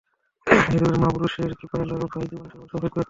এই জগতে মহাপুরুষের কৃপালাভই জীবের সর্বোচ্চ সৌভাগ্য।